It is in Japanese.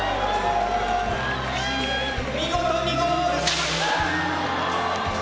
見事にゴールしました。